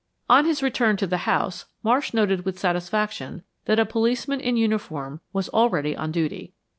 On his return to the house, Marsh noted with satisfaction that a policeman in uniform was already on duty.